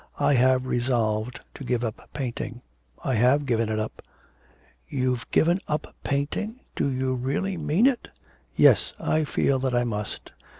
I have resolved to give up painting. I have given it up.' You've given up painting! Do you really mean it?' 'Yes, I feel that I must.